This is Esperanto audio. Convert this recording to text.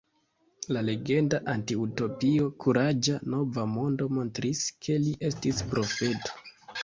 La legenda antiutopio Kuraĝa Nova Mondo montris, ke li estis profeto.